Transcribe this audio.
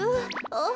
あっ。